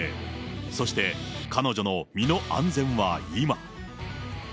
そして彼女の身の安全は今。